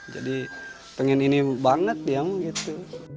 jadi pengen iniin banget dia mah gitu